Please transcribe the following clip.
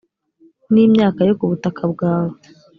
n’imyaka yo ku butaka bwawe,